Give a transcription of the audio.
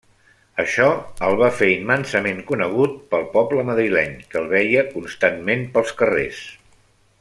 Això el va fer immensament conegut pel poble madrileny, que el veia constantment pels carrers.